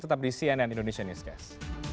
tetap di cnn indonesia newscast